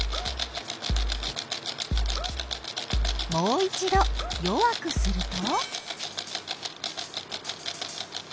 もう一ど弱くすると？